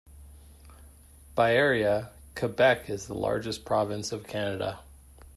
By area, Quebec is the largest province of Canada.